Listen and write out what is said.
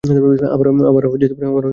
আমারও সেই ইচ্ছে।